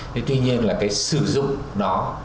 thế tuy nhiên là cái sử dụng đó